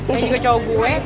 kayak juga cowok gue